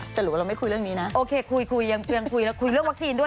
สรุปว่าเราไม่คุยเรื่องนี้นะโอเคคุยคุยยังคุยแล้วคุยเรื่องวัคซีนด้วย